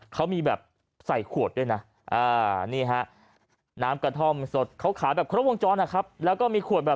เขามีแบบใส่ขวดด้วยนะน้ำกระท่อมสดขาวแบบครบวงจ้อนแล้วก็มีขวด